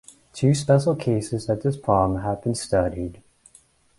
Two special cases of this problem have been studied.